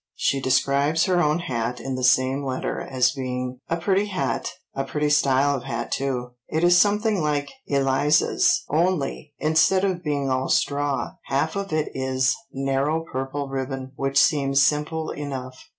She describes her own hat in the same letter as being "A pretty hat,—a pretty style of hat too. It is something like Eliza's, only, instead of being all straw, half of it is narrow purple ribbon," which seems simple enough.